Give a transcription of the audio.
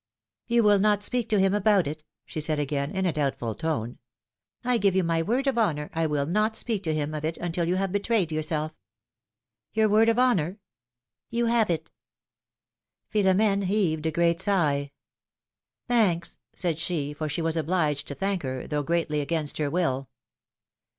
You will not speak to him about it?" she said again, in a doubtful tone. I give you my word of honor I will'not speak to him of it until you have betrayed }X)ursclf." philom^:ne's markiages. 263 Your word of honor ?" You have itJ^ Philom^ne heaved a great sigh. Thanks/' said she, for she was obliged to thank her, though greatly against her will.